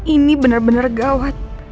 ini bener bener gawat